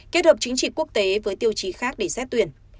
kết hợp chính trị quốc tế với tiêu chí khác để xét tuyển